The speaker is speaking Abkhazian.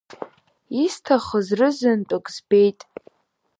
Исҭахыз рызынтәык збеит.